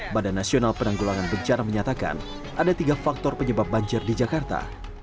badan nasional penanggulangan bencana menyatakan ada tiga faktor penyebab banjir di jakarta